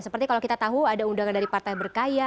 seperti kalau kita tahu ada undangan dari partai berkarya